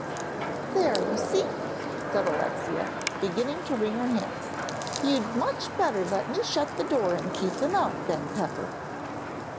"There, you see," said Alexia, beginning to wring her hands. "You'd much better let me shut the door and keep them out, Ben Pepper."